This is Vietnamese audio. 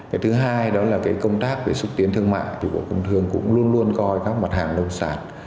cái thứ hai đó là cái công tác về xúc tiến thương mại thì bộ công thương cũng luôn luôn coi các mặt hàng nông sản